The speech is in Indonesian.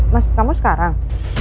mas kamu sekarang